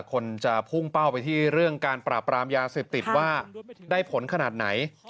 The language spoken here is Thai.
คนจะพุ่งเป้าไปที่เรื่องการปราบปรามยาเสพติดว่าได้ผลขนาดไหน